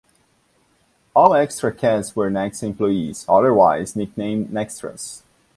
All extra casts were Next employees, otherwise nicknamed 'nextras'.